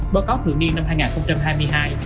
báo cáo thượng nghiêng năm hai nghìn hai mươi hai